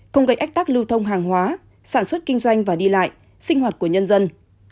không gây ách tắc lưu thông hàng hóa sản xuất kinh doanh và đi lại sinh hoạt của nhân dân